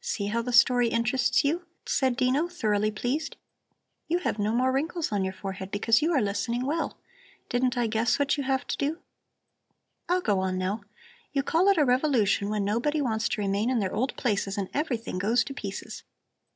"See how the story interests you!" said Dino, thoroughly pleased. "You have no more wrinkles on your forehead, because you are listening well. Didn't I guess what you have to do? I'll go on now. You call it a revolution when nobody wants to remain in their old places and everything goes to pieces."